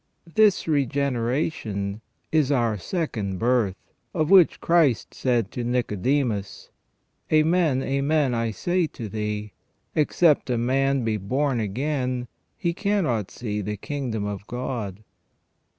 This regeneration is our second birth, of which Christ said to Nicodemus :" Amen, amen, I say to thee : except a man be born again, he cannot see the kingdom of God.